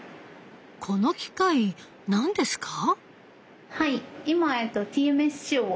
この機械何ですか？